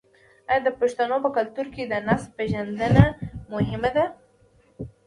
آیا د پښتنو په کلتور کې د نسب پیژندنه مهمه نه ده؟